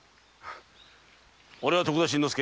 俺は徳田新之助